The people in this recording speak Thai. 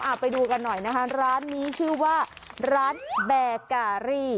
อ้าไปดูกันหน่อยร้านนี้ชื่อว่าร้านแบร์การี่